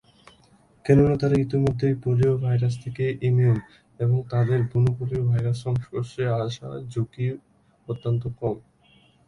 কেননা তারা ইতোমধ্যেই পোলিও ভাইরাস থেকে ইমিউন, এবং তাদের বুনো পোলিও ভাইরাসের সংস্পর্শে আসার ঝুঁকি অত্যন্ত কম।